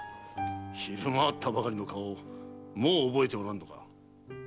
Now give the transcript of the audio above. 昼間会ったばかりの顔をもう覚えておらんのか？